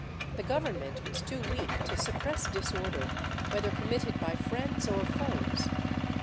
The Government was too weak to suppress disorder, whether committed by friends or foes.